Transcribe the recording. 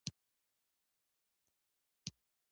غوښتل ورځ را ورسیږي.